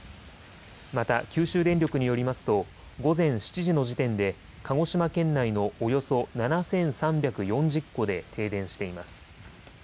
また九州電力によりますと午前７時の時点で鹿児島県内のおよそ７３４０戸で停電しています。